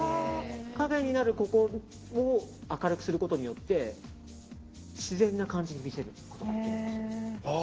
影になるここを明るくすることによって自然な感じに見せることができます。